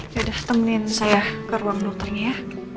yaudah temenin saya ke ruang dokternya